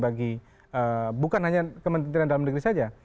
bagi bukan hanya kementerian dalam negeri saja